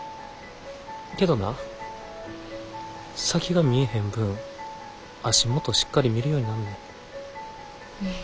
けどな先が見えへん分足元しっかり見るようになんねん。